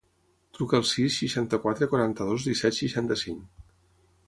Truca al sis, seixanta-quatre, quaranta-dos, disset, seixanta-cinc.